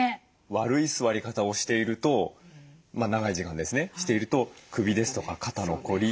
悪い座り方をしていると長い時間ですねしていると首ですとか肩の凝り